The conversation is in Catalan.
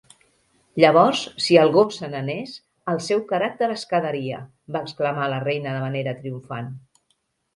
"Llavors, si el gos se n"anés, el seu caràcter es quedaria!, va exclamar la reina de manera triomfant.